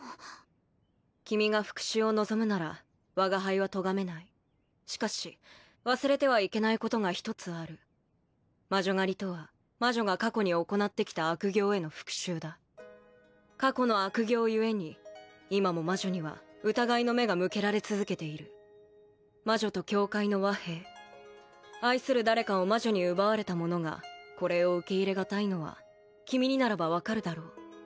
君が復讐を望むなら我が輩はとがめないしかし忘れてはいけないことが一つある魔女狩りとは魔女が過去に行ってきた悪行への復讐だ過去の悪行ゆえに今も魔女には疑いの目が向けられ続けている魔女と教会の和平愛する誰かを魔女に奪われた者がこれを受け入れがたいのは君にならば分かるだろう